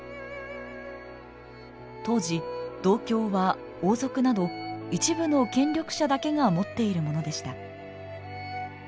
当時銅鏡は王族など一部の権力者だけが持っているものでした。